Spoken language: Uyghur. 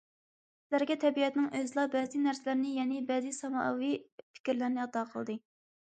سىلەرگە تەبىئەتنىڭ ئۆزىلا بەزى نەرسىلەرنى- يەنى، بەزى ساماۋى پىكىرلەرنى ئاتا قىلدى.